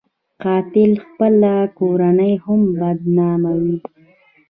قاتل خپله کورنۍ هم بدناموي